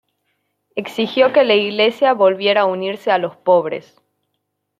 Exigió que la Iglesia volviera a unirse a los pobres.